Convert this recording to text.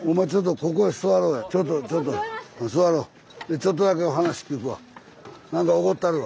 ちょっとだけお話聞くわ。